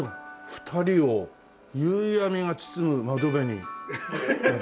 ２人を夕闇が包む窓辺に。